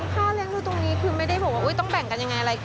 ค่าแรงตัวตรงนี้ดูไม่ได้บอกว่าต้องแบ่งกันอย่างไร